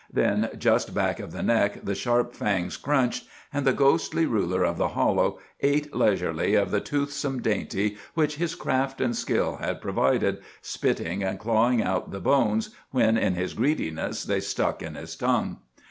Then just back of the neck the sharp fangs crunched, and the ghostly ruler of the hollow ate leisurely of the toothsome dainty which his craft and skill had provided, spitting and clawing out the bones when in his greediness they stuck in his tongue.